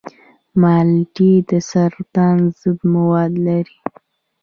مالټې د سرطان ضد مواد لري.